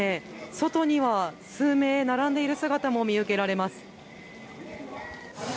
外には、数名並んでいる姿も見受けられます。